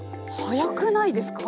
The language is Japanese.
早くないですか？